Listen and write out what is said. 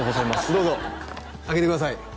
どうぞ開けてください